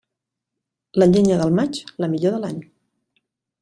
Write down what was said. La llenya del maig, la millor de l'any.